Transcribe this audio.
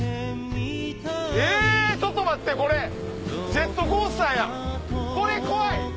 えちょっと待ってこれジェットコースターやこれ怖い。